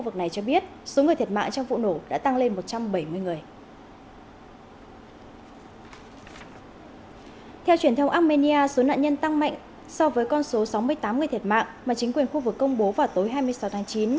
theo truyền thông armenia số nạn nhân tăng mạnh so với con số sáu mươi tám người thiệt mạng mà chính quyền khu vực công bố vào tối hai mươi sáu tháng chín